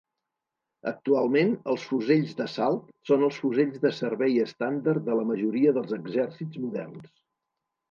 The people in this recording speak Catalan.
Actualment, els fusells d'assalt són els fusells de servei estàndard de la majoria dels exèrcits moderns.